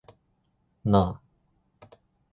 なあ